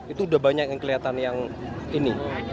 itu udah banyak yang kelihatan yang ini